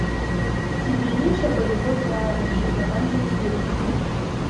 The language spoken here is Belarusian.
Ці змяніўся падыход да аранжыравання песень?